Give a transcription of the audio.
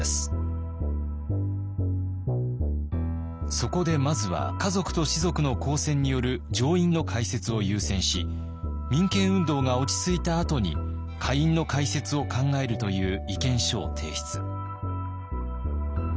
そこでまずは華族と士族の公選による上院の開設を優先し民権運動が落ち着いたあとに下院の開設を考えるという意見書を提出。